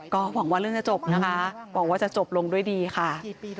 ก็หวังว่าเรื่องจะจบนะคะหวังว่าจะจบลงด้วยดีค่ะ